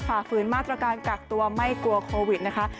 ฝ่าฝืนมาตรการกักตัวไม่กลัวโควิดนะคะ